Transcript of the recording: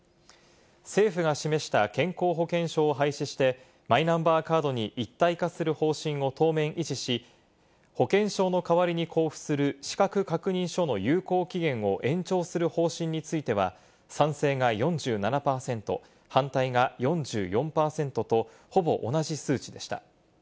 政府が示した健康保険証を廃止して、マイナンバーカードに一体化する方針を当面維持し、保険証の代わりに交付する資格確認書の有効期限を延長する方針については、賛成が４７％、反対が４４％と、ほぼ同じ数値でした。